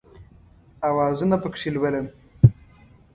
اوازونه پکښې لولم